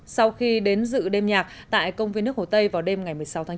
sau khi đến dự đêm nhạc tại công viên nước hồ tây vào đêm ngày một mươi sáu tháng chín